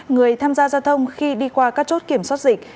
người tham gia giao thông khi đi qua các chốt kiểm soát dịch